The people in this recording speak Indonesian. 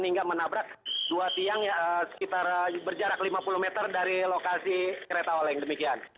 hingga menabrak dua tiang sekitar berjarak lima puluh meter dari lokasi kereta oleng demikian